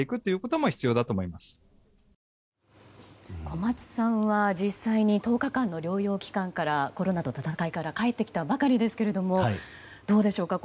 小松さんは実際に１０日間の療養期間からコロナとの闘いから帰ってきたばかりですけれどもどうでしょうか